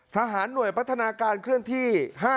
ทหารหน่วยพัฒนาการเคลื่อนที่๕๗